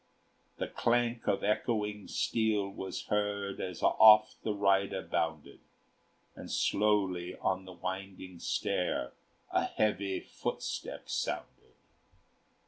The clank of echoing steel was heard As off the rider bounded; And slowly on the winding stair A heavy footstep sounded.